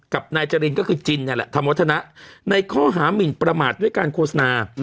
กับนายจรินก็คือจินเนี่ยแหละธรรมวัฒนะในข้อหามินประมาทด้วยการโฆษณา